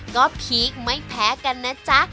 ก็พีคไม่แพ้กันนะจ๊ะ